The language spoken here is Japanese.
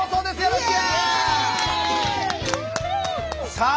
さあ